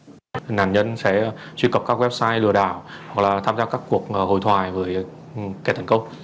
các dân chí hà nội cũng chuyên cập các website lừa đảo tham gia các cuộc hồi thoại với kẻ thẩn công